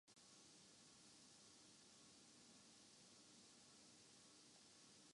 اگر سعودی عرب سے کمایا گیا تو اس کا ثبوت کیا ہے؟